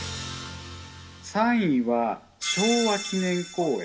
３位は昭和記念公園。